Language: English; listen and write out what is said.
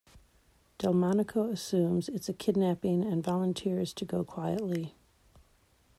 Delmonico assumes it's a kidnapping and volunteers to go quietly.